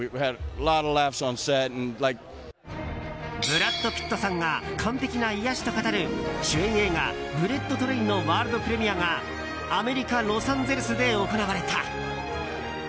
ブラッド・ピットさんが完璧な癒やしと語る主演映画「ブレット・トレイン」のワールドプレミアがアメリカ・ロサンゼルスで行われた。